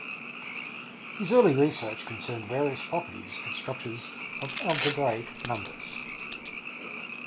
His early research concerned various properties and structures of algebraic numbers.